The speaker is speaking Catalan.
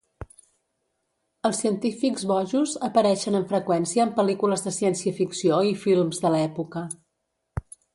Els científics bojos apareixen amb freqüència en pel·lícules de ciència ficció i films de l'època.